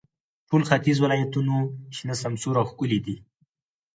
ټول ختیځ ولایتونو شنه، سمسور او ښکلي دي.